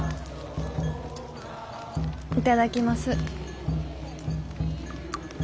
頂きます。